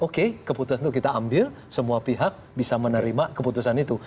oke keputusan itu kita ambil semua pihak bisa menerima keputusan itu